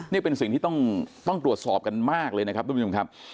นี่เป็นสิ่งที่ต้องตรวจสอบกันมากเลยนะครับทุกผู้ชมครับ